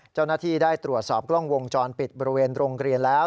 เจ้าหน้าที่ได้ตรวจสอบกล้องวงจรปิดบริเวณโรงเรียนแล้ว